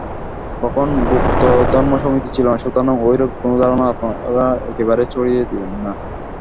কখনও গুপ্ত ধর্মসমিতি ছিল না, সুতরাং ঐরূপ কোন ধারণা আপনারা একেবারেই ছাড়িয়া দিবেন।